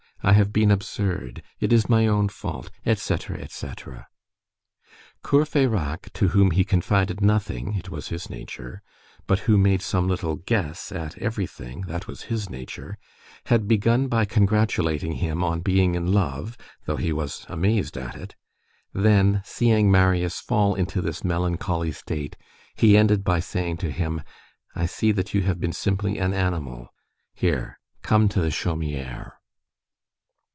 I have been absurd. It is my own fault," etc., etc. Courfeyrac, to whom he confided nothing,—it was his nature,—but who made some little guess at everything,—that was his nature,—had begun by congratulating him on being in love, though he was amazed at it; then, seeing Marius fall into this melancholy state, he ended by saying to him: "I see that you have been simply an animal. Here, come to the Chaumière."